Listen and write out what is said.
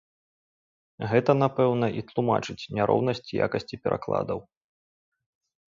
Гэта, напэўна, і тлумачыць няроўнасць якасці перакладаў.